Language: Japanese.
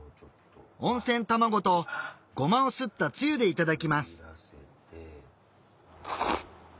温泉卵とごまをすった汁でいただきます